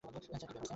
Sir, কী ব্যাপার?